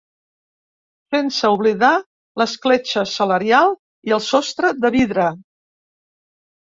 Sense oblidar l’escletxa salarial i el sostre de vidre.